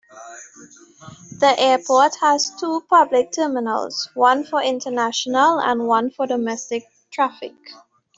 The airport has two public terminals-one for international and one for domestic traffic.